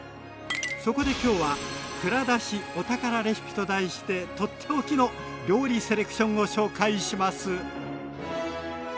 そこで今日は「蔵出し！お宝レシピ」と題して取って置きの料理セレクションを紹介します。